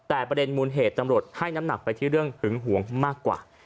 แต่ประเด็นมูลเหตุตำรวจให้น้ำหนักไปที่เรื่องหึงหวงมากกว่า